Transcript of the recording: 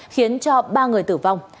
khiến ba người tử vong